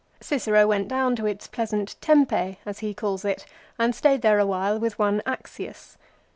Cicero went down to its pleasant Tempe, as he calls it, and stayed there a while with one Axius.